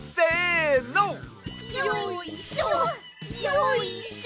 よいしょ！